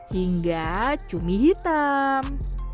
hingga cumi hitam